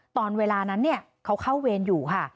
ตอนเวลานั้นเขาเข้าเวรอยู่ค่ะ